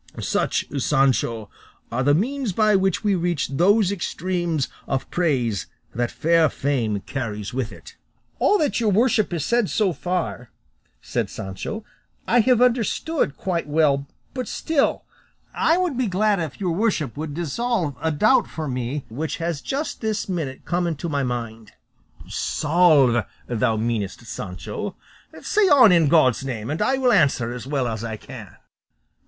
Such, Sancho, are the means by which we reach those extremes of praise that fair fame carries with it." "All that your worship has said so far," said Sancho, "I have understood quite well; but still I would be glad if your worship would dissolve a doubt for me, which has just this minute come into my mind." "Solve, thou meanest, Sancho," said Don Quixote; "say on, in God's name, and I will answer as well as I can."